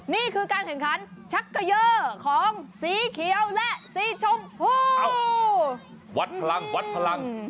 นี่คือการแข่งขันชักเกยอร์ของสีเขียวและสีชมพูวัดพลังวัดพลัง